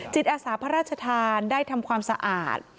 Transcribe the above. จิตอาสาพราชธานได้ทำความสะอาด